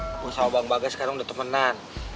lo sama bang bagas sekarang udah temenan